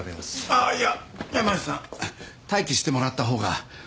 あっいや山内さん待機してもらった方が。